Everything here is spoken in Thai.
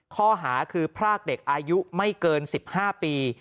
ข้อหาคือพรากเด็กอายุไม่เกิน๑๕ปี